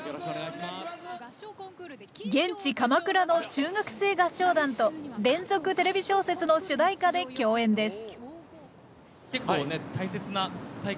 現地鎌倉の中学生合唱団と連続テレビ小説の主題歌で共演です